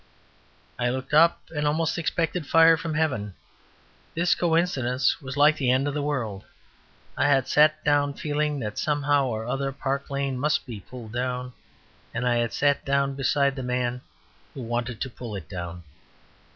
I looked up and almost expected fire from heaven. This coincidence was like the end of the world. I had sat down feeling that somehow or other Park lane must be pulled down; and I had sat down beside the man who wanted to pull it down.